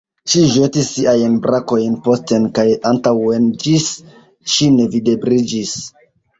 Ŝi ĵetis siajn brakojn posten kaj antaŭen, ĝis ŝi nevidebliĝis.